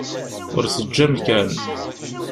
Ur teǧǧi amkan.